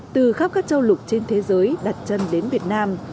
từ khắp các châu lục trên thế giới đặt chân đến việt nam